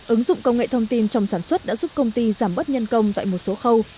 ứng dụng công nghệ thông tin trong sản xuất đã giúp công ty giảm bớt nhân công tại một số khâu